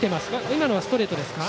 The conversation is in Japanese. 今のはストレートですか。